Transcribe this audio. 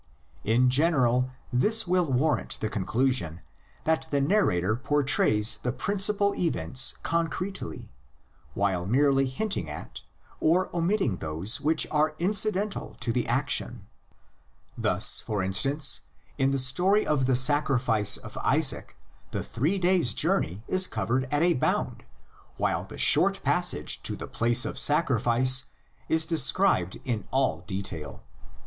In general this will warrant the conclusion that the narrator portrays the principal events concretely, while merely hinting at or omitting those which are incidental to the action: thus, for instance, in the story of the sacrifice of Isaac the three days' journey is covered at a bound, while the short pas sage to the place of sacrifice is described in all detail.